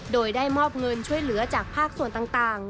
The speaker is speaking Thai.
โดยได้มอบเงินช่วยเหลือจากภาคส่วนต่าง